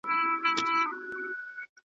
د ځان په ویر یم غلیمانو ته اجل نه یمه .